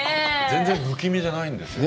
全然不気味じゃないんですよ。